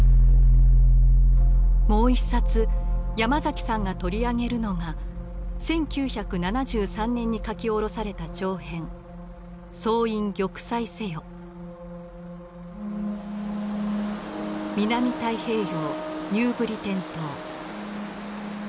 もう一冊ヤマザキさんが取り上げるのが１９７３年に書き下ろされた長編南太平洋ニューブリテン島。